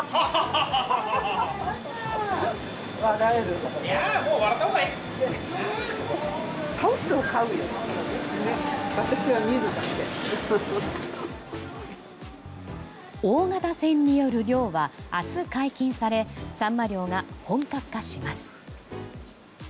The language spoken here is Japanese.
大型船による漁は明日解禁されサンマ漁が本格化します。